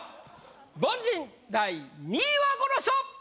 凡人第２位はこの人！